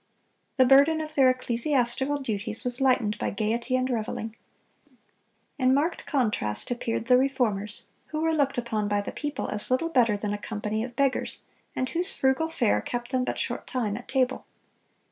The burden of their ecclesiastical duties was lightened by gaiety and reveling. In marked contrast appeared the Reformers, who were looked upon by the people as little better than a company of beggars, and whose frugal fare kept them but short time at table.